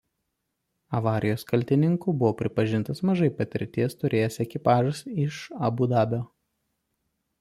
Avarijos kaltininku buvo pripažintas mažai patirties turėjęs ekipažas iš Abu Dabio.